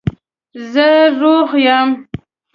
زه روغ یم